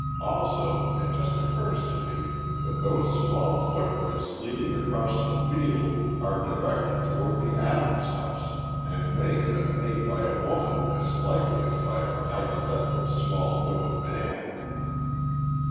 Also, it just occurs to me that those small footprints leading across the field, are directed toward the Adams house, and may have been made by a woman as likely as by our hypothetical small footed man."